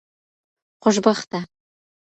خوشبخته